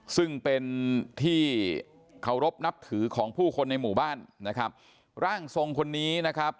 ซึ่งเป็นที่เคารพนับถือของผู้คนในหมู่บ้านนะครับร่างทรงคนนี้นะครับ